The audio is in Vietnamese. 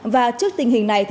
và trước tình hình này